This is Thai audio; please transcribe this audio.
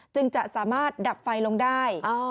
จึงจะสามารถดับไฟลงได้